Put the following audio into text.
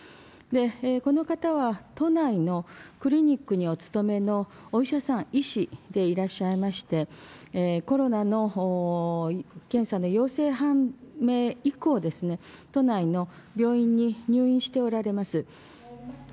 この方は都内のクリニックにお勤めのお医者さん、医師でいらっしゃいまして、コロナの検査の陽性判明以降、都内の病院に入院しておられます。